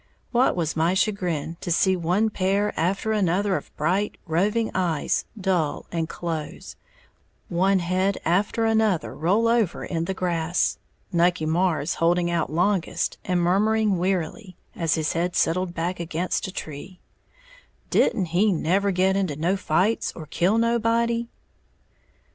What was my chagrin to see one pair after another of bright, roving eyes dull and close, one head after another roll over in the grass, Nucky Marrs holding out longest, and murmuring wearily, as his head settled back against a tree, "Didn't he never get into no fights, or kill nobody?"